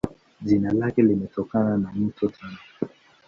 Jina lake limetokana na Mto Tana.